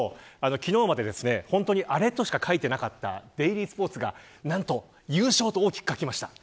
昨日までは、アレとしか書いていなかったデイリースポーツがなんと優勝と大きく書きました。